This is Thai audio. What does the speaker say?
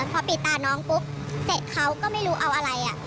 พอปิดตาน้องปุ๊บเสร็จเขาก็ไม่รู้เอาอะไร